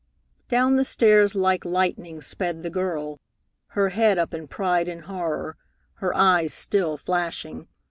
Down the stairs like lightning sped the girl, her head up in pride and horror, her eyes still flashing.